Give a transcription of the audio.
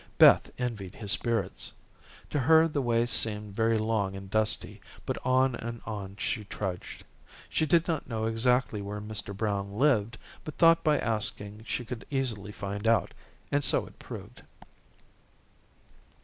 Beth envied his spirits. To her the way seemed very long and dusty, but on and on she trudged. She did not know exactly where Mr. Brown lived, but thought by asking she could easily find out, and so it proved.